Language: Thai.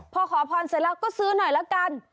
พอขอพรเสร็จแล้วก็ซื้อหน่อยละกัน